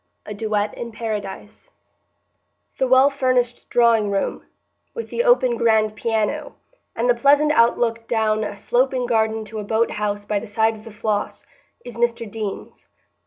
A Duet in Paradise The well furnished drawing room, with the open grand piano, and the pleasant outlook down a sloping garden to a boat house by the side of the Floss, is Mr Deane's.